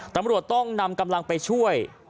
ตำรวจต้องนำกำลังไปช่วย